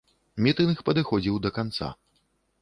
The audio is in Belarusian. Мітынг падыходзіў да канца.